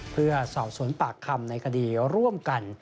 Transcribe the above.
เพื่อสอบสวนปากคำในคดีร่วมกัน